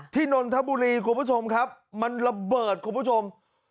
ที่นนทบุรีครับคุณผู้ชมมันระเบิดครับคุณผู้ชม